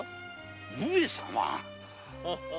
上様！